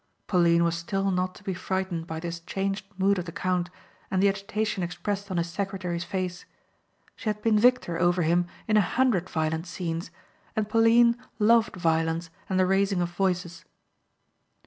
Pauline was still not to be frightened by this changed mood of the count and the agitation expressed on his secretary's face. She had been victor over him in a hundred violent scenes and Pauline loved violence and the raising of voices.